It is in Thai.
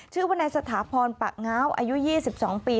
ชื่อว่านายสถาพรปะง้าวอายุ๒๒ปี